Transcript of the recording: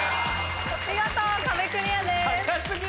見事壁クリアです。